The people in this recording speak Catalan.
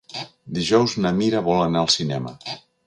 Dijous na Mira vol anar al cinema.